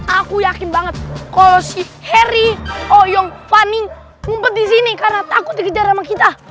aku yakin banget kalo si heri oe yang funny ngumpet di sini karena takut dikejar sama kita